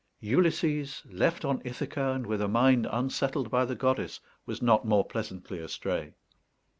Ulysses, left on Ithaca, and with a mind unsettled by the goddess, was not more pleasantly astray.